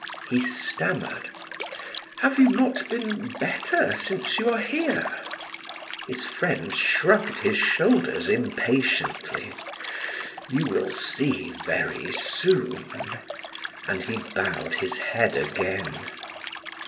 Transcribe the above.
He stammered: "Have you not been better since you are here?" His friend shrugged his shoulders impatiently: "You will see very soon." And he bowed his head again.